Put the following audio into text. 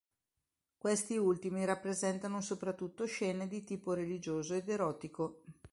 Questi ultimi rappresentano soprattutto scene di tipo religioso ed erotico.